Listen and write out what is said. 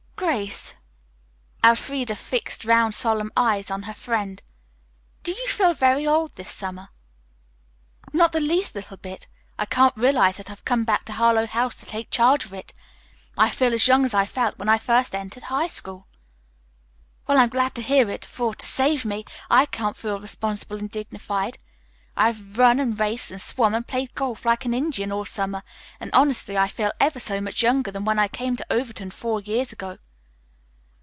"Grace," Elfreda fixed round solemn eyes on her friend, "do you feel very old this summer?" "Not the least little bit. I can't realize that I've come back to Harlowe House to take charge of it. I feel as young as I felt when I first entered high school." "Well, I'm glad to hear it, for, to save me, I can't feel responsible and dignified. I've run and raced and swum and played golf like an Indian all summer, and honestly I feel ever so much younger than when I came to Overton four years ago.